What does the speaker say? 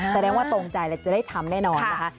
แสดงว่าตรงใจแล้วจะได้ทำแน่นอนนะคะ